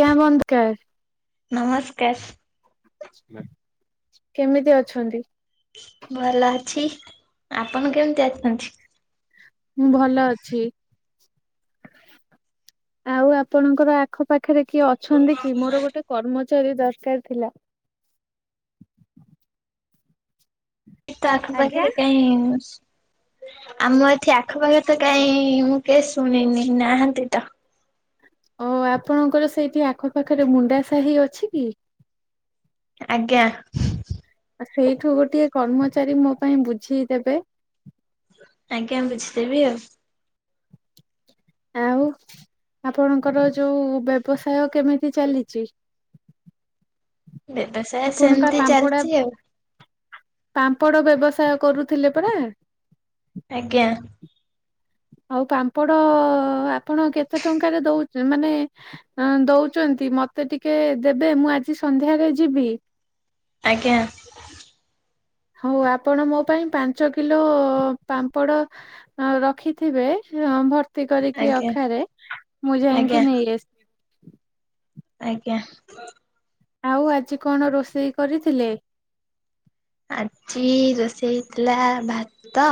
କିଆଁ ବନ୍ଦଖର୍। ନମସ୍କାର। କେମିତି ଅଛନ୍ତି? ଭଲ ଅଛି, ଆପଣ କେମିତି ଅଛନ୍ତି? ମୁଁ ଭଲ ଅଛି। ଆଉ ଆପଣଙ୍କର ଆ ପାଖ ପାଖରେ କିଏ ଅଛନ୍ତି କି ମୋର ଗୋଟେ କର୍ମ ଚୋରି ଦରକାର ଥିଲା। ତ ଆଖ ଆଜ୍ଞା। ପାାଖରେ କାଇଁ ହୁସ୍। ଆମ ଏଥି ଆଖପାଖ ତ କାଇଁ ମୁଁ କେବେ ଶୁଣିନି ନାହାନ୍ତି ତ। ଓ ଆପଣଙ୍କର ସେଇଠି ଆଖପାଖରେ ମୁଣ୍ଡା ସାହି ଅଛି କି? ଆଜ୍ଞା। ସେଇଠୁ ଗୋଟିଏ କର୍ମଚାରୀ ମୋ ପାଇଁ ବୁଝି ଦେବେ। ଆଜ୍ଞା ବୁଝିଦେବି ଆଉ। ଆଉ ଆପଣଙ୍କର ଯୋଉ ବ୍ୟବସାୟ କେମିତି ଚାଲିଚି? ବ୍ୟବସାୟ ଆପଣ ପା ସେମତି ଚାଲିଚି ଆଉ। ପାମ୍ପଡ଼ ବ୍ୟବସାୟ କରୁଥିଲେ ପରା? ଆଜ୍ଞା। ଆଉ ପାମ୍ପଡ଼ ଆପଣ କେତେ ଟଙ୍କାରେ ଦଉ ମାନେ ଦଉଚନ୍ତି ମତେ ଟିକେ ଦେବେ ମୁଁ ଆଜି ସନ୍ଧ୍ୟାରେ ଯିବି। ଆଜ୍ଞା। ହଉ ଆପଣ ମୋ ପାଇଁ ପାଞ୍ଚ କିଲୋଓ ପାମ୍ପଡ଼ ରଖିଥିବେ ଭର ତି କରିକି ଆଜ୍ଞା ଅଖାରେ ମୁଁ ଆଜ୍ଞା ଯାଇକିଁ ନେଇ ଆସିବି। ଆଜ୍ଞା। ଆଉ ଆଜି କଣ ରୋଷେଇ କରିଥିଲେ? ଆଜି ରୋଷେଇ ହେଇଥିଲା ଭାତ।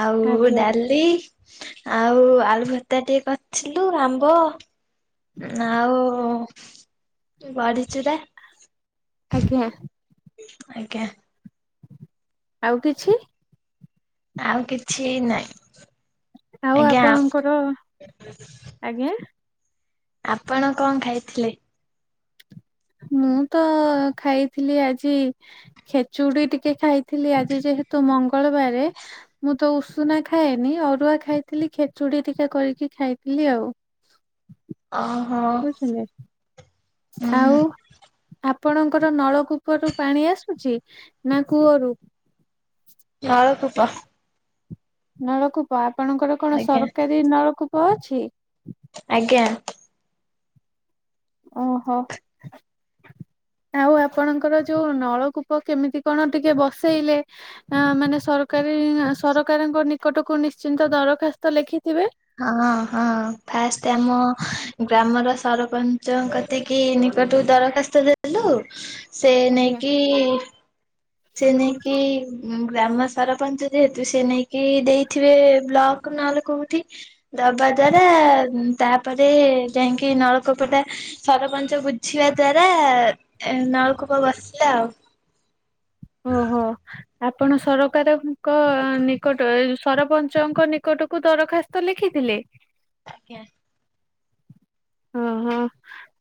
ଆଉ ଆଜ୍ଞା। ଡାଲି। ଆଉ ଆଳୁ ଭତ୍ତା ଟିକେ କରଥିଲୁ ଆମ୍ବ ଆଉଊ ବଢିଚୁରା। ଆଜ୍ଞା ଆଜ୍ଞା। ଆଉ କିଛି? ଆଉ କିଛି ନାଇଁ। ଆଉ ଆପଣଙ୍କର ଆଜ୍ଞା। ଆପଣ କଣ ଖାଇଥିଲେ? ମୁଁ ତ ଖାଇଥିଲି ଆଜି ଖେଚୁଡି ଟିକେ ଖାଇଥିଲି ଆଜି ଯେହେତୁ ମଙ୍ଗଳବାରେ ମୁଁ ତ ଉଷୁନା ଖାଏନି ଅରୁଆ ଖାଇଥିଲି ଖେଚୁଡି ଟିକେ କରିକି ଖାଇଥିଲି ଆଉ। ଓହୋ ବୁଝିଲେ ହୁଁ ହୁଁ ଆଉ ଆପଣଙ୍କର ନଳକୂପରୁ ପାଣି ଆସୁଛି ନା କୂଅରୁ ନଳକୂ ପ [unintelligible] ନଳକୂପ ଆପଣଙ୍କର କଣ ଆଜ୍ଞା ସରକାରି ନଳକୂ ପ ଅଛି ଆଜ୍ଞା ଓହୋ ଆଉ ଆପଣଙ୍କର ଯୋଉ ନଳକୂପ କେମିତି କଣ ଟିକେ ବସେଇଲେ ମାନେ ସରକାରି ସରକାରଙ୍କ ନିକଟକୁ ନିଶ୍ଚିନ୍ତ ଦରଖାସ୍ତ ଲେଖି। ହଁ ହଁ ଫାଷ୍ଟ ଆମ ଗ୍ରାମର। ସରପଞ୍ଚ କତିକି ନିକଟକୁ ଦରଖାସ୍ତ ଦେଲୁ।। ସେ ଆଜ୍ଞା ନେଇକି। ସେ ନେଇକି ଗ୍ରାମ ସରପଞ୍ଚ ଯେହେତୁ ସେ ନେଇକି ଦେଇଥିବେ ବ୍ଲକ ନହେଲେ କୋଉଠି ଦବା ଦ୍ଵାରା ତାପରେ ଯାଇକି ନଳକୂପ ଟା ସରପଞ୍ଚ ବୁଝିବା ଦ୍ଵାରା ନଳକୂପ ବସିଲା ଆଉ। ଓହୋ ଆପଣ ସରକାର। କ ନିକଟରେ। ସରପଞ୍ଚଙ୍କ ନିକଟକୁ ଦରଖାସ୍ତ ଲେଖିଥିଲେ। ଆଜ୍ଞା। ହଁ ହଁ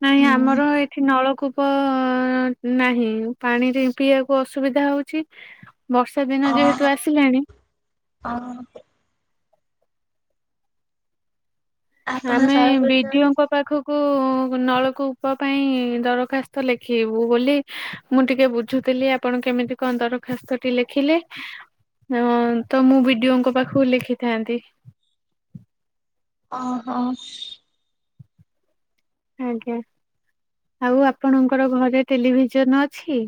ନାଇଁ ହୁଁ ଆମର ଏଠି ନଳକୂ। କୂପ ନାହିଁ ପାଣିରେ ପିଇବାକୁ ଅସୁବିଧା ହଉଛି ବର୍ଷା ଦିନ ଓହୋ ଯେହେତୁ ଆସିଲାଣି ଓହୋ। ଆପଣ ଆମେ ସରପଞ୍ଚ ମାନେ ବିଡିଓଙ୍କ ପାଖକୁ ଙ୍କୁ ନଳକୂପ ପାଇଁ ଦରଖାସ୍ତ ଲେଖିବୁ ବୋଲି ମୁଁ ଟିକେ ବୁଝୁଥିଲି ଆପଣ କେମିତି କଣ ଦରଖାସ୍ତଟି ଲେଖିଲେ ତ ମୁଁ ବିଡିଓଙ୍କ ପାଖକୁ ଲେଖିଥାନ୍ତି ଓହୋ ଆଜ୍ଞା ଆଉ ଆପଣଙ୍କର ଘରେ ଟେଲିଭିଜନ ଅଛି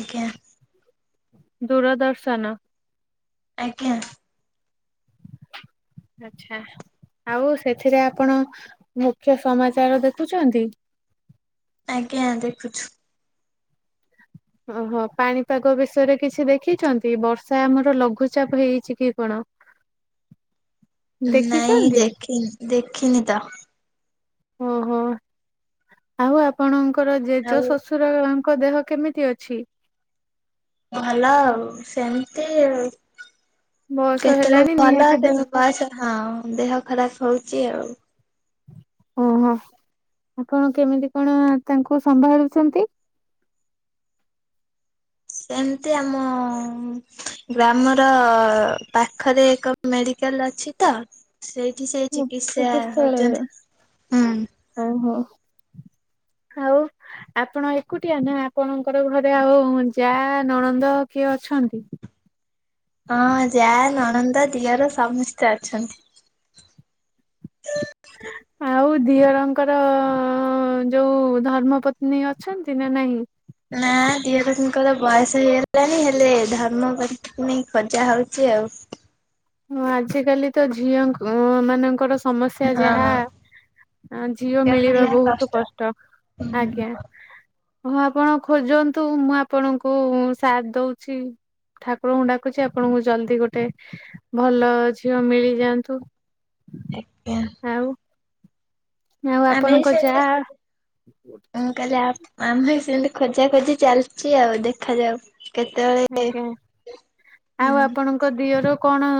ଆଜ୍ଞା ଦୂରଦର୍ଶନ ଆଜ୍ଞା ଆଚ୍ଛା ଆଉ ସେଥିରେ ଆପଣ ମୁଖ୍ୟ ସମାଚାର ଦେଖୁଛନ୍ତି ଆଜ୍ଞା ଦେଖୁଛୁ ଓହୋ ପାଣିପାଗ ବିଷୟରେ କିଛି ଦେଖିଛନ୍ତି ବର୍ଷା ଆମର ଲଘୁଚାପ ହେଇଛି କି କଣ ନାଇଁ ଦେଖିଛନ୍ତି ଦେଖି ଦେଖିନି ତ ଓହୋ ଆଉ ଆପଣଙ୍କ ର ଆଉ ଜେଜ ଶ୍ୱଶୁର ଙ୍କ ଦେହ କେମିତି ଅଛି? ଭଲ ଆଉ ସେମିତି ବୟସ କେତେବେଳେ ହେଲାଣି ନିହାତି ଦେହ ଭଲ ହଁ ଦେହ ଖରାପ ହଉଛି ଯ ହଉ ଓହୋ ଆପଣ କେମିତି କଣ ତାଙ୍କୁ ସମ୍ଭାଳୁଛନ୍ତି? ସେମିତି ଆମ ଗ୍ରାମର ପାଖରେ ଏକ ମେଡିକାଲ ଅଛି ତ। ସେଇଠି ସେଇ ଚିକିତ୍ସା ଚିକିତ୍ସାଳୟରେ। ହଉଛନ୍ତି। ହୁଁ ଓହୋ ଆଉ ଆପଣ ଏକୁଟିଆ ନା ଆପଣଙ୍କର ଘରେ ଆଉ ଯା ନଣନ୍ଦ କିଏ ଅଛନ୍ତି? ହଁ ଜାଲ ଆନନ୍ଦ ଦିଅର ସମସ୍ତେ ଅଛନ୍ତି। ଝିଅରଙ୍କର ଯୋଉ ଧର୍ମ ପତ୍ନୀ ଅଛନ୍ତି ନା ନାହିଁ? ନା ଦିଅ ର ଙ୍କର ବୟସ ହେଇଗଲାଣିି ହେଲେ ଧର୍ମ ପତ୍ନି ଖଜା ହଉଛି ଆଉ ହଁ ଆଜିକାଲି ତ ଝିଅ ମାନଙ୍କର ସମସ୍ୟା ହଁ ଯାହା ଝିଅ ମିଳିବା ବହୁତ କଷ୍ଟ। ହୁଁ ଆଜ୍ଞା ହଁ ଆପଣ ଖୋଜନ୍ତୁ ମୁଁ ଆପଣଙ୍କୁ ସାଥ ଦଉଛି ଠାକୁର ହୁଣ୍ଡାକୁଛି ଆପଣଙ୍କୁ ଜଲଦି ଗୋଟେ ଭଲ ଝିଅ ମିଳିଯାଆନ୍ତୁ। ଏଜ୍ଞ୍ୟା ଆଉ ଆଉ ଆମେ ଆପଣଙ୍କ ସେମତି ଯାଆ ଖୋଜୁ ମୁଁ କହ ଆମେଁ ସେମିତି ଖୋଜା ଖୋଜି ଚାଲିଛି ଆଉ ଦେଖାଯାଉ କେତେବେଳେ ଆଜ୍ଞା ଆଉ ହୁଁ ଆପଣଙ୍କ ଦିଅର? କଣ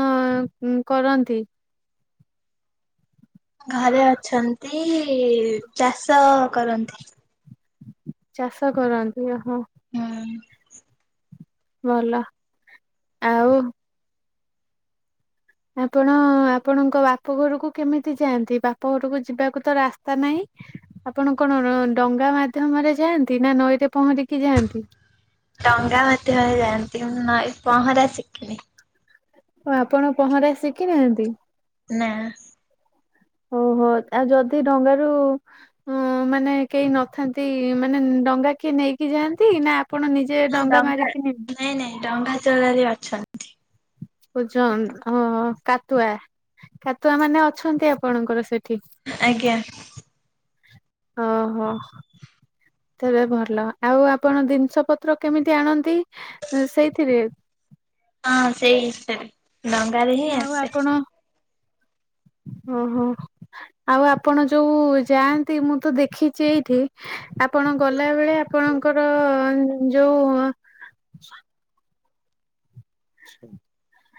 କରନ୍ତି ଘରେ ଅଛନ୍ତି ଚାଷ କରନ୍ତି। ଚାଷ କରନ୍ତିୁ ଓହ ହୁଁ ଭଲ ଆଉ ଆପଣ ଆପଣଙ୍କ ବାପ ଘରକୁ କେମିତି ଯାଆନ୍ତି ବାପ ଘରକୁ ଯିବାକୁ ତ ରାସ୍ତା ନାହିଁ ଆପଣ କଣ ଡଙ୍ଗା ମାଧ୍ୟମରେ ଯାଆନ୍ତି ନା ନଈରେ ପହଁରିକି ଯାଆନ୍ତି? ଡଙ୍ଗା ମାଧ୍ୟମ ରେ ଯାଆନ୍ତି ମୁ ନଈ ପହଁରା ଶିକିନି ହ ଆପଣ ପହଁରା ଶିଖିନାହାନ୍ତି ନା ଓହୋ ଆଉ ଯଦି ଡଙ୍ଗାରୁ ମାନେ କେହି ନଥାନ୍ତି ମାନେ ଡଙ୍ଗା କିଏ ନେଇକି ଯାଆନ୍ତି ନା? ଆପଣ ନିଜେ ଡଙ୍ଗା ମାରିକି ନବେ ନାଇଁ ନାଇଁ ଡଙ୍ଗା ଚଳାଳୀ ଅଛନ୍ତି ପୁଛ [inaudible] କାତୁଆ କାତୁଆ ମାନେ ଅଛନ୍ତି ଆପଣଙ୍କର ସେଠି? ଆଜ୍ଞା ଓହୋ ତେବେ ଭଲ ଆଉ ଆପଣ ଜିନିଷ ପତ୍ର କେମିତି ଆଣନ୍ତି ସେଇଥିରେ? ହଁ ସେଇ ସେ ଦଙ୍ଗାାରେ ହିଁ ଆଉ ଆସେ। ଆପଣ ଓହୋ ଆଉ ଆପଣ ଯୋଉ ଯାଆନ୍ତି ମୁଁ ତ ଦେଖିଛି ଏଇଠି ଆପଣ ଗଲାବେଳେ ଆପଣଙ୍କର ଯୋଉ।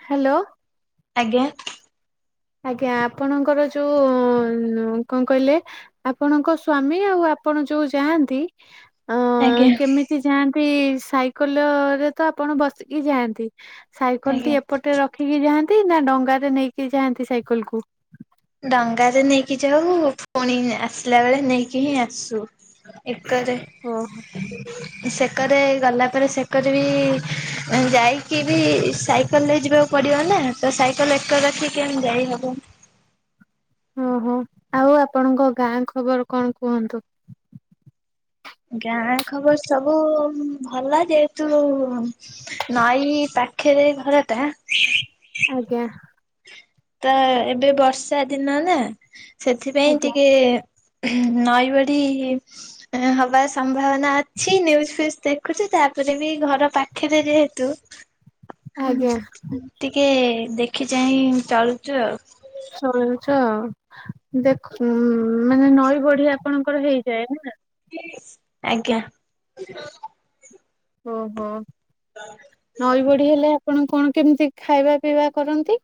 ହାଲୋ। ଆଜ୍ଞା। ଆଜ୍ଞା ଆପଣଙ୍କର ଯୋଉ କଣ କହିଲେ ଆପଣଙ୍କ ସ୍ଵାମୀ ଆଉ ଆପଣ ଯୋଉ ଯାଆନ୍ତି। ଅ ଆଜ୍ଞା କେମିତି ଯାଆ ସେ ସାଇକେଲ ରେ ତ ଆପଣ ବସିକି ଯାଆନ୍ତି। ସାଇକେଲ ଟି ଆଜ୍ଞା। ଏପଟେ ରଖିକି ଯା ନା ଡଙ୍ଗାରେ ନେଇକି ଯାଆନ୍ତି। ସାଇକଲ କୁ ଡଙ୍ଗାରେ ନେଇକି ଯାଉ ପୁଣି ଆସିଲା ବେଳେ ନେଇକି ହିଁ ଆସୁ। ଏକାରେ ଓହୋ ସେକରେ ଗଲା ପରେ ସେକରେ ବି ଯାଇକି ବି ସାଇକେଲରେ ଯିବାକୁ ପଡିବ ନା ତ ସାଇକେଲ ଏକରେ ରଖିକି କେମତି ଯାଇହବ? ଓହୋ ଆଉ ଆପଣଙ୍କ ଗାଁ ଖବର କଣ କୁହନ୍ତୁ? ଗାଁ ଖବର ସବୁ ଭଲ ଯେହେତୁ ନଈ ପାଖରେ ଘର ଟା। ଆଜ୍ଞା। ତ ଏବେ ବର୍ଷା ଦିନ ନା। ସେଥିପାଇଁ ଆଜ୍ଞା ଟିକେ ନଈ ବଢି ହବାର ସମ୍ଭାବନା ଅଛି। ନ୍ୟୁଜ ଫ୍ୟୁଜ ଦେଖୁଛି ତାପରେ ବି ଘର ପାଖରେ ଯେହେତୁ ହଁ ଆଜ୍ଞା ଟିକେ ଦେଖି ଚାହିଁ ଚାଳୁଛୁ ଆଉ। ଶୋଇଚ। ଦେଖ ମାନେ ନଈ ବଢି ଆପଣଙ୍କର ହେଇଯାଏ ନା? ଆଜ୍ଞା। ଓ ହୋ। ନଈ ବଢି ହେଲେ ଆପଣ କଣ କେମିତି ଖାଇବା ପିଇବା କରନ୍ତି?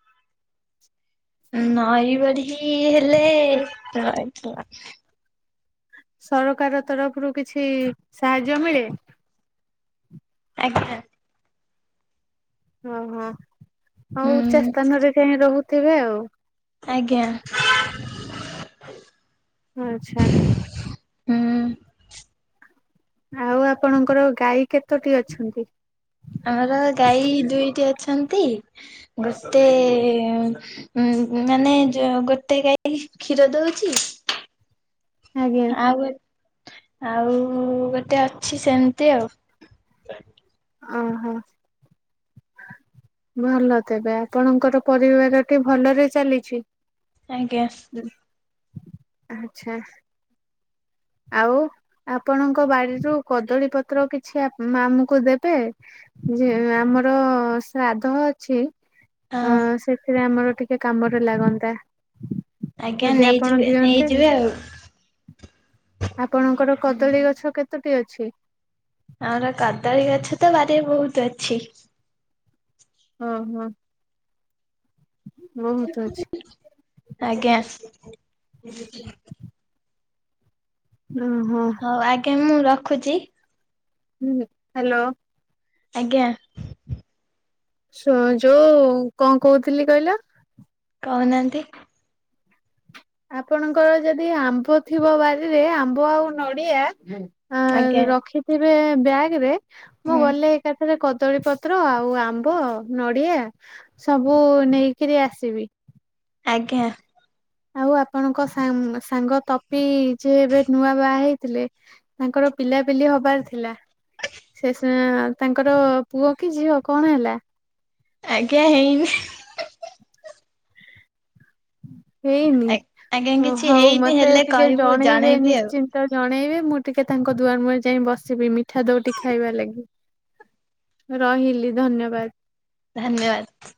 ନଇ ବଢ଼ି କି ହେଲେ ର ହ ସରକାର ତରଫରୁ କିଛି ସାହାଯ୍ୟ ମିଳେ? ଆଜ୍ଞା। ହଁ ହଁ। ହଉ ଇଚ୍ଛା ହୁଁ ସ୍ଥାନରେ କାହି ରହୁ ତେବେ ଆଉ। ଆଜ୍ଞା। ଆଚ୍ଛା। ହୁଁ। ଆଉ ଆପଣଙ୍କର ଗାଈ କେ ଆମର ଗାଈ ଦୁଇଟି ଅ ଅଛନ୍ତି। ଗୋଟେ ଉ ମାନେ ଜୋଉ ଗୋଟେ ଗାଇ କ୍ଷୀର ଦଉଚି। ଆଜ୍ଞା ଆଉ ଗ ଆଉ ଗୋଟେ ଅଛି ସେମିତି ଆଉ। ଓହୋ ଭଲ ତେବେ ଆପଣଙ୍କର ପରିବାରଟି ଭଲରେ ଚାଲିଛି ଆଜ୍ଞା। ଆଚ୍ଛା। ଆଉ ଆପଣଙ୍କ ବାଡିରୁ କଦଳୀ ପତ୍ର କିଛି ଆମକୁ ଦେବେ ଯେ ଆମର ଶ୍ରାଦ୍ଧ ଅଛି ଅଁ ହଁ ସେଥିରେ ଆମର ଟିକେ କାମରେ ଲାଗନ୍ତା ଆଜ୍ଞା ଯଦି ଆପଣ ନେଇଯିବେ ଦିଅନ୍ତେ। ନେଇଯିବେ ଆଉ ଆପଣଙ୍କର କଦଳୀ ଗଛ କେତୋଟି ଅଛି। ଆମର କାଦଳୀ ଗଛ ତ ବାରି ରେ ବହୁତ ଅଛି। ଓ ହ। ଆଜ୍ଞା। ଓହୋ। ହଉ ଆଜ୍ଞା ମୁଁ ରଖ ରଖୁଛି ହୁଁ ହ୍ୟାଲୋ। ଆଜ୍ଞା। [unintelligible] ଜଉ କଣ କହୁଥିଲି କହିଲ କହୁନାହାନ୍ତି ଆପଣଙ୍କର ଯଦି ଆମ୍ବ ଥିବ ବାରିରେ ଆମ୍ବ ଆଉ ନଡିଆ ଆ ଆଜ୍ଞା ରଖିଥିବ [unintelligible] ବ୍ୟାଗ ରେ ମୁଁ ହୁଁ। ଗଲେ ଏକାଥାରେ କ କଦଳି ପତ୍ର ଆଉ ଆମ୍ବ ନଡିଆ ସବୁ ନେଇକିରି ଆସିବି। ଆଜ୍ଞା। ଆଉ ଆପଣଙ୍କ ସା ସାଙ୍ଗ ତପି ଯେ ଏବେ ନୂଆ ବାହା ହେଇଥିଲେ ତାଙ୍କର ପିଲାପିଲି ହବାର ଥିଲା ସେ ସ ତାଙ୍କର ପୁଅ କି ଝିଅ କଣ ହେଲା। ଆଜ୍ଞା ହେଇନି ହେଇନି ଆଜ୍ଞା କିଛି ହଉ ହେଇନି ମତେ ହେଲେ ଟିକେ କହିବୁ ଜଣେଇବେ ଜଣେଇବି ଆଉ ନିଶ୍ଚିନ୍ତ ଜଣେଇବେ ମୁଁ ଟିକେ ତାଙ୍କ ଦୁଆର ମୁହଁରେ ଯାଇ ବସିବି ମିଠା ଦୁଇଟି ଖାଇବା ଲାଗି ରହିଲି ଧନ୍ୟବାଦ। ଧନ୍ୟବାଦ।